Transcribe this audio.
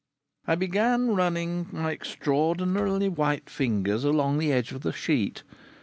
B.] I began running my extraordinarily white fingers along the edge of the sheet.